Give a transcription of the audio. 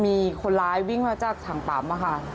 มีคนร้ายวิ่งมาจากถังปั๊มค่ะ